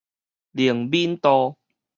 靈敏度